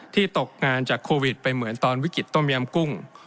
ตกงานจากโควิดไปเหมือนตอนวิกฤตต้มยำกุ้ง